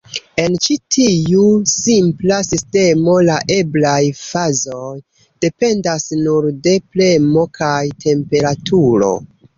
En ĉi tiu simpla sistemo, la eblaj fazoj dependas nur de premo kaj temperaturo.